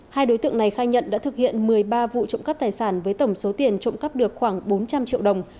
hai đối tượng này khai nhận đã thực hiện một mươi ba vụ trọng cấp tài sản với tổng số tiền trọng cấp được khoảng bốn trăm linh triệu đồng